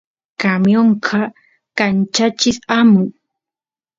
camionqa kanchachis amun